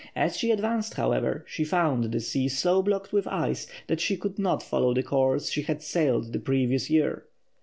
As she advanced, however, she found the sea so blocked with ice that she could not follow the course she had sailed the previous year.